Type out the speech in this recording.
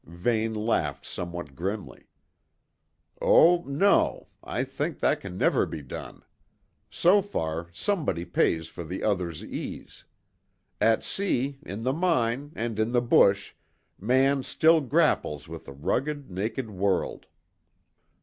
Vane laughed somewhat grimly. "Oh, no; I think that can never be done. So far, somebody pays for the other's ease. At sea, in the mine, and in the bush, man still grapples with a rugged, naked world."